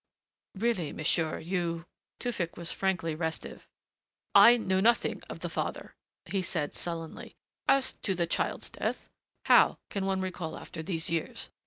"Really, monsieur, you " Tewfick was frankly restive. "I know nothing of the father," he said sullenly. "And as to the child's death how can one recall after these years?